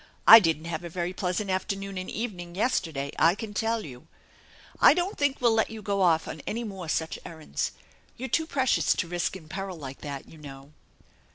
"I didn't have a very pleasant afternoon and evening yesterday, I can tell you I I don't think we'll let you go off on any more such errands. You're too precious to risk in peril like that, you know